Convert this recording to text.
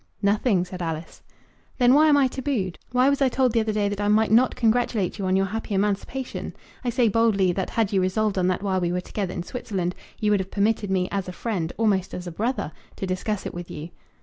"Nothing," said Alice. "Then why am I tabooed? Why was I told the other day that I might not congratulate you on your happy emancipation? I say boldly, that had you resolved on that while we were together in Switzerland, you would have permitted me, as a friend, almost as a brother, to discuss it with you."